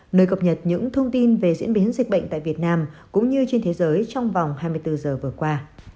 nơi cập nhật những thông tin về diễn biến dịch bệnh tại việt nam cũng như trên thế giới trong vòng hai mươi bốn giờ vừa qua